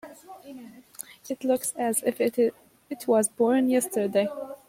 It looks as if it was born yesterday.